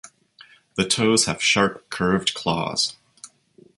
The toes have sharp, curved claws.